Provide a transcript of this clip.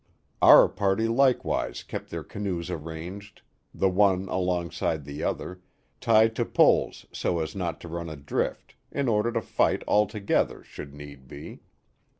Our party, likewise, kept their canoes arranged, the one along side the other, tied to poles so as not to run adrift, in order to fight all together, should need be.